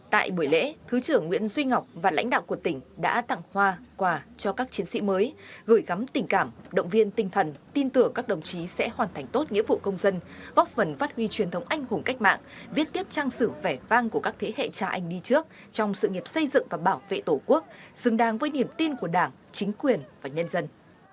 tại buổi lễ thứ trưởng nguyễn duy ngọc và lãnh đạo của tỉnh đã tặng hoa quà cho các chiến sĩ mới gửi gắm tình cảm động viên tinh thần tin tưởng các đồng chí sẽ hoàn thành tốt nghĩa vụ công dân góp phần phát huy truyền thống anh hùng cách mạng viết tiếp trang sử vẻ vang của các thế hệ cha anh đi trước trong sự nghiệp xây dựng và bảo vệ tổ quốc xứng đáng với niềm tin của đảng chính quyền và nhân dân